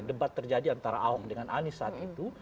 debat terjadi antara ahok dengan anies saat itu